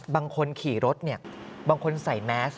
บางคนขี่รถบางคนใส่แมส